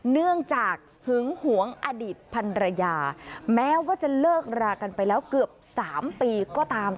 เนื่องจากหึงหวงอดีตพันรยาแม้ว่าจะเลิกรากันไปแล้วเกือบ๓ปีก็ตาม